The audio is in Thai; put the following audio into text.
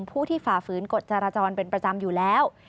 ผู้ที่ฝ่าฝืนกฎจราจรเป็นประจำอยู่แล้ว